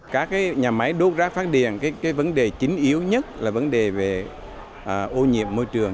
các nhà máy đốt rác phát điện vấn đề chính yếu nhất là vấn đề về ô nhiễm môi trường